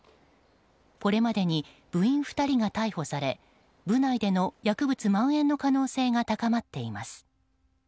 これまでに部員２人が逮捕され部内での薬物蔓延の可能性が高まっています。